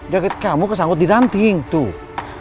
jaget kamu kesangkut di ranting tuh